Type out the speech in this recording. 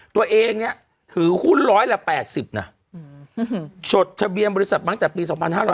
ตัวเองเนี่ยถือหุ้นร้อยละ๘๐นะจดทะเบียนบริษัทตั้งแต่ปี๒๕๕๙